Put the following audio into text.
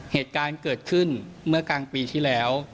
เหตุการณ์เกิดขึ้นเมื่อกลางปีที่แล้ว